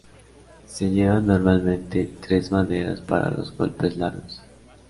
Se llevan normalmente tres maderas para los golpes largos.